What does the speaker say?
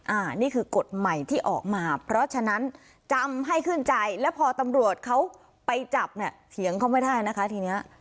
อันนี้คือกฎใหม่ที่ออกมาเพราะฉะนั้นจำให้ขึ้นใจแล้วพอตำรวจเขาไปจับเนี่ยเถียงเขาไม่ได้นะคะทีนี้